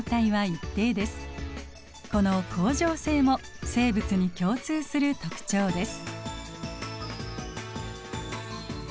この恒常性も生物に共通する特徴です。